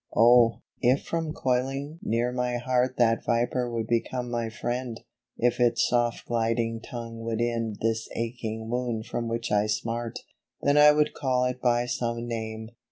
Oh ! if from coiling near my heart That viper would become my friend ! If its soft gliding tongue would end This aching wound from which I smart ; Then I would call it by some name.